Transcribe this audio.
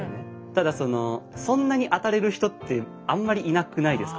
ただそのそんなに当たれる人ってあんまりいなくないですか？